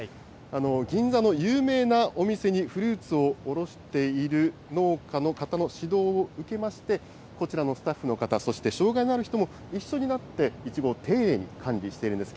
銀座の有名なお店にフルーツを卸している農家の方の指導を受けまして、こちらのスタッフの方、そして障害のある人も一緒になっていちごを丁寧に管理しているんです。